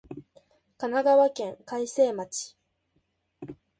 神奈川県開成町